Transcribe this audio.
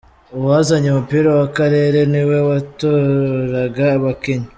Uwazanye umupira wa Karere ni we watoraga abakinnyi.